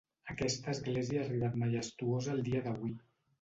Aquesta església ha arribat majestuosa al dia d'avui: